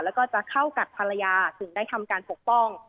แล้วก็จะเข้ากัดภรรยาถึงได้ทำการปกป้อง